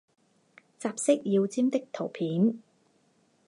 杂色耀鲇的图片